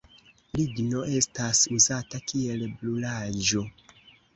Ligno estas uzata kiel brulaĵo.